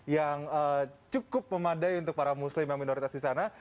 yang cukup memadai untuk para muslim yang minoritas di sana